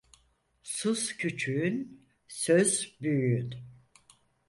Sus küçüğün, söz büyüğün.